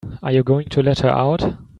Are you going to let her out?